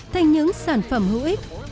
thành những sản phẩm hữu ích